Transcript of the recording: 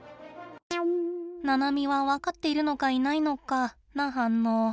ナナミは「分かっているのかいないのか」な反応。